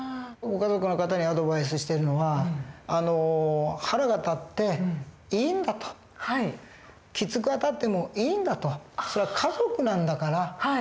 ご家族の方にアドバイスしてるのは腹が立っていいんだときつくあたってもいいんだとそれは家族なんだから。